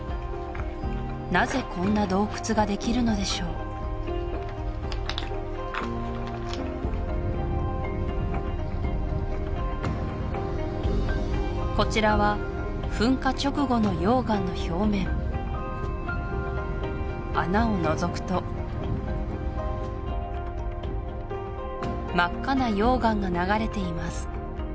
なぜこんな洞窟ができるのでしょうこちらは噴火直後の溶岩の表面穴をのぞくと真っ赤な溶岩が流れています